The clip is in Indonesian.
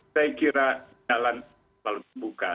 saya kira jalan selalu terbuka